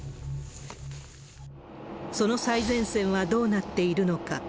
その最前線はどうなっているのか。